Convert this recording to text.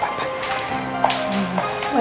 masih perih perutnya ya